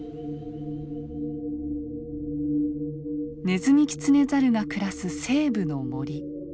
ネズミキツネザルが暮らす西部の森。